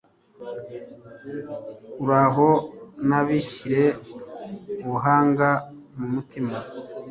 uhoraho nabashyire ubuhanga mu mutima